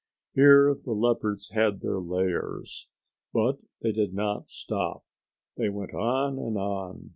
Here the leopards had their lairs. But they did not stop. They went on and on.